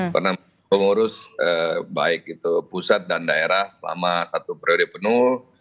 karena pengurus baik itu pusat dan daerah selama satu priori penuh